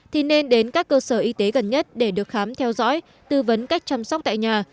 thì nên đến các cơ sở y tế gần nhất để được khám theo dõi tư vấn cách chăm sóc tại nhà